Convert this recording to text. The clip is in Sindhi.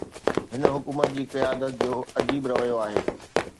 هن حڪومت جي قيادت جو عجيب رويو آهي.